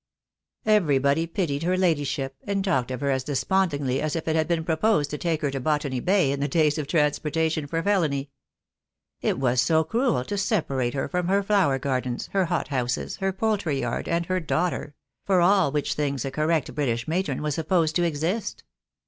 Everybody pitied her Ladyship, and talked of her as despondingly as if it had been proposed to take her to Botany Bay in the days of transportation for felony. It was so cruel to separate her from her flower gardens, her hothouses, her poultry yard, and her daughter; for all which things a correct British matron was supposed to exist.